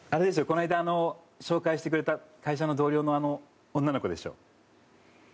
この間紹介してくれた会社の同僚のあの女の子でしょ？